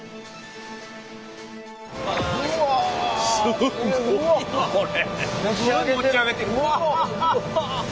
すっごいなこれ！